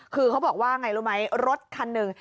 คือเขาบอกว่ารถคันหนึ่ง